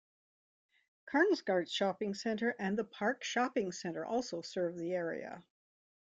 Cornelscourt shopping centre and "The Park" shopping centre also serve the area.